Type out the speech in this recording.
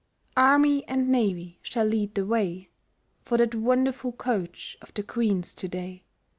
Army and Navy shall lead the way For that wonderful coach of the Queen's to day.